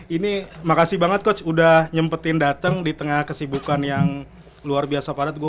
ini makasih banget coach udah nyempetin dateng di tengah kesibukan yang luar biasa padat gue